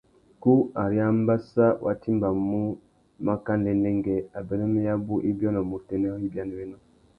Kú ari ambassa wá timbamú maka ndêndêngüê, abérénô yabú i biônômú utênê râ ibianawénô.